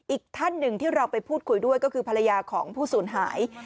อีกท่านหนึ่งที่เราไปพูดคุยด้วยก็คือภรรยาของผู้สูญหาย